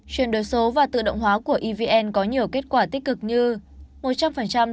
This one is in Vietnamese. chuyển đổi số và tự động hóa của evn có nhiều kết quả tích cực như